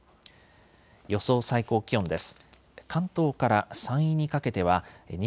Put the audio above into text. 予想最高気温です。